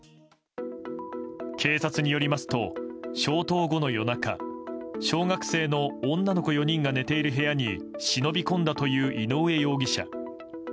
警察によりますと消灯後の夜中小学生の女の子４人が寝ている部屋に忍び込んだという井上容疑者。